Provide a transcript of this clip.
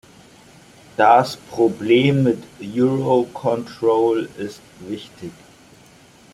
Das Problem mit Eurocontrol ist wichtig.